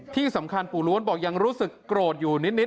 ที่สำคัญปู่ล้วนบอกยังรู้สึกโกรธอยู่นิด